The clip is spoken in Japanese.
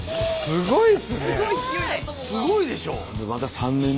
すごいでしょ？